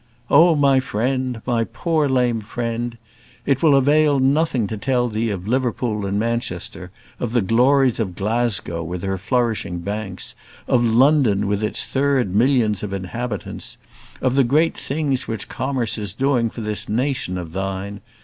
Oh, my friend! my poor lame friend! it will avail nothing to tell thee of Liverpool and Manchester; of the glories of Glasgow, with her flourishing banks; of London, with its third millions of inhabitants; of the great things which commerce is doing for this nation of thine!